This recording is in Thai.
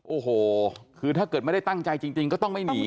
โอ้โหคือถ้าเกิดไม่ได้ตั้งใจจริงก็ต้องไม่หนี